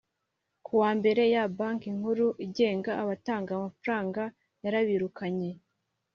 kuwa mbere ya Banki Nkuru igenga abatanga amafaranga yarabirukanye